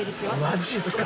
マジですか？